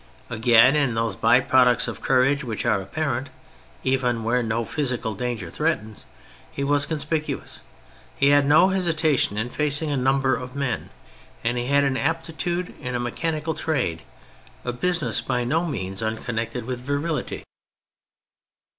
Again, in those by products of courage which are apparent, even where no physical danger threatens, he was conspicu ous ; he had no hesitation in facing a number of men, and he had aptitude in a mechanical trade — a business by no means unconnected with virility.